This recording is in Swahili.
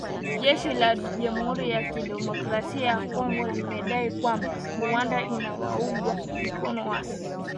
Jeshi la Jamhuri ya Kidemokrasia ya Kongo limedai kwamba Rwanda inawaunga mkono waasi kutekeleza mashambulizi dhidi ya kambi za jeshi